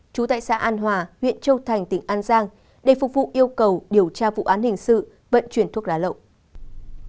trú tại xã an hòa huyện châu thành tỉnh an giang để phục vụ yêu cầu điều tra vụ án hình sự vận chuyển thuốc lá lậu